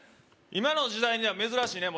今の時代には珍しいね